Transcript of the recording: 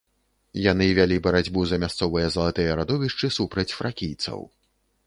Яны вялі барацьбу за мясцовыя залатыя радовішчы супраць фракійцаў.